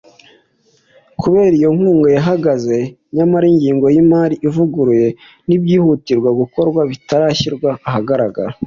kubera iyo nkunga yahagaze nyamara ingengo y’imari ivuguruye n’ibyihutirwa gukorwa bitarashyirwa ahagaragara